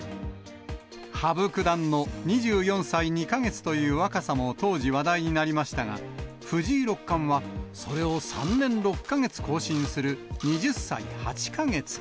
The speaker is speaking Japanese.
羽生九段の２４歳２か月という若さも当時、話題になりましたが、藤井六冠はそれを３年６か月更新する、２０歳８か月。